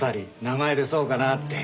名前でそうかなって。